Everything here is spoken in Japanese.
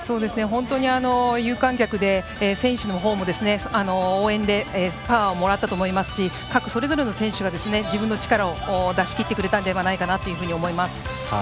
本当に、有観客で選手のほうも応援でパワーをもらったと思いますし各それぞれの選手が自分の力を出し切ってくれたのではないかと思います。